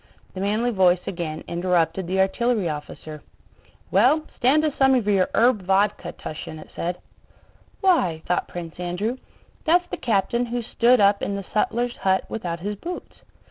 The manly voice again interrupted the artillery officer. "Well, stand us some of your herb vodka, Túshin," it said. "Why," thought Prince Andrew, "that's the captain who stood up in the sutler's hut without his boots."